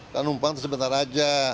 karena numpang itu sebentar saja